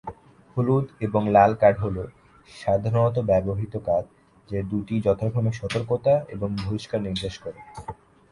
হলুদ এবং লাল কার্ড হল সাধারনত ব্যবহৃত কার্ড, যে দুটি যথাক্রমে সতর্কতা এবং বহিষ্কার নির্দেশ করে।